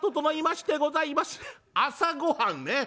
「朝ごはんね！